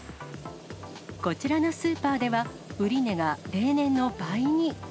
こちらのスーパーでは、売値が例年の倍に。